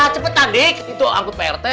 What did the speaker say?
lepet adik itu angkot pak rete